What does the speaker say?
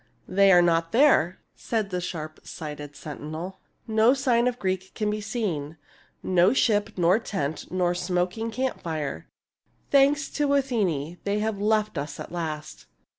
" They are not there," said the sharp sighted sen tinel. " No sign of Greek can be seen — no ship nor tent nor smoking camp fire. Thanks to Athene, they have left us at last."